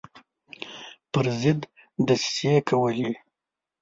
پر ضد دسیسې کولې.